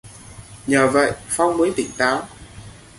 Nhờ vậy phong mới tỉnh táo